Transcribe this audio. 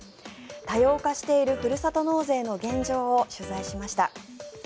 多様化しているふるさと納税の現状を取材しました。